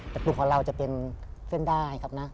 แต่ปรุงของเราจะเป็นเส้นได้ครับนะ